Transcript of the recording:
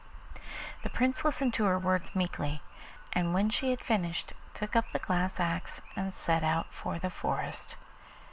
The Prince listened to her words meekly, and when she had finished took up the glass axe and set out for the forest.